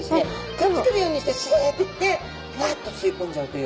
くっつけるようにしてスッと行ってブワッと吸い込んじゃうという。